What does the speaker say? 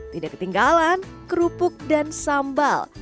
tidak ketinggalan kerupuk dan sambal